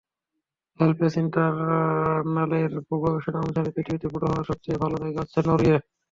HelpAge ইন্টারন্যাশনালের গবেষণা অনুসারে, পৃথিবীতে বুড়ো হওয়ার সবচেয়ে ভালো জায়গা হচ্ছে নরওয়ে।